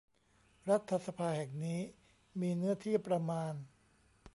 รัฐสภาแห่งนี้มีเนื้อที่ประมาณ